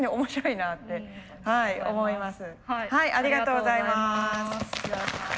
ありがとうございます。